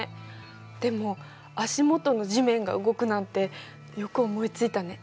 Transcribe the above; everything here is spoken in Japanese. でも足元の地面が動くなんてよく思いついたね。